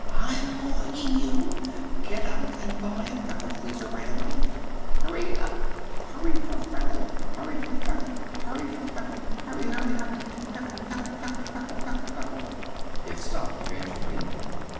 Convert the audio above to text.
"I'm warning you! Get out and buy a Feckle Freezer right away! Hurry up! Hurry for Feckle! Hurry for Feckle! Hurry, hurry, hurry, Feckle, Feckle, Feckle, Feckle, Feckle, Feckle...." It stopped eventually.